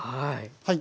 はい。